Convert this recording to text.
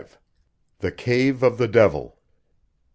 THE CAVE OF THE DEVIL.